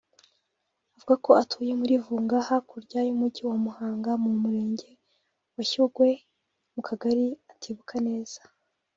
Avuga ko atuye muri Vunga hakurya y’umujyi wa Muhanga mu murenge wa Shyogwe mu kagari atibuka neza